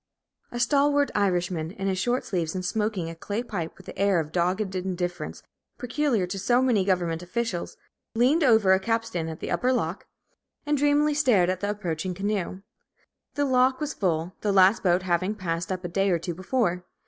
A stalwart Irishman, in his shirt sleeves, and smoking a clay pipe with that air of dogged indifference peculiar to so many government officials, leaned over a capstan at the upper lock, and dreamily stared at the approaching canoe. The lock was full, the last boat having passed up a day or two before.